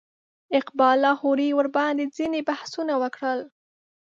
اقبال لاهوري ورباندې ځینې بحثونه وکړل.